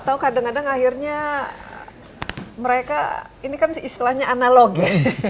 atau kadang kadang akhirnya mereka ini kan istilahnya analogi